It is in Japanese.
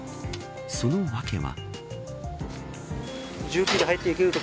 その訳は。